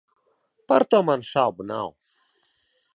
Par to man šaubu nav.